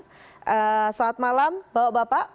selamat malam bapak bapak